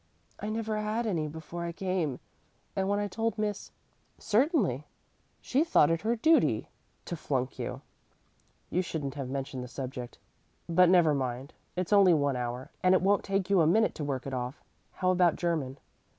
"I never had any before I came, and when I told Miss " "Certainly; she thought it her duty to flunk you. You shouldn't have mentioned the subject. But never mind. It's only one hour, and it won't take you a minute to work it off. How about German?"